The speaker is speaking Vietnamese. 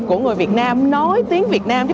của người việt nam nói tiếng việt nam